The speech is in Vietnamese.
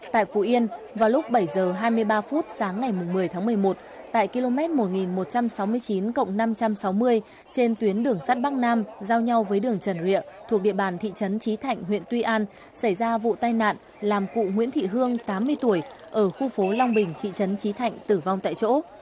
tại phú yên vào lúc bảy h hai mươi ba phút sáng ngày một mươi tháng một mươi một tại km một nghìn một trăm sáu mươi chín năm trăm sáu mươi trên tuyến đường sắt bắc nam giao nhau với đường trần rya thuộc địa bàn thị trấn trí thạnh huyện tuy an xảy ra vụ tai nạn làm cụ nguyễn thị hương tám mươi tuổi ở khu phố long bình thị trấn trí thạnh tử vong tại chỗ